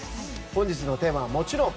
本日のテーマはもちろん。